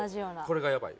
これがやばい。